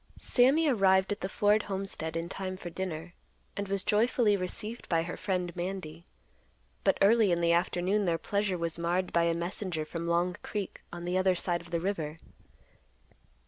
Sammy arrived at the Ford homestead in time for dinner, and was joyfully received by her friend, Mandy. But early in the afternoon, their pleasure was marred by a messenger from Long Creek on the other side of the river.